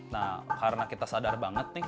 nah karena kita sadar banget nih